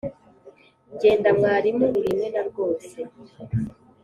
Jyenda Mwarimu uri imena rwose!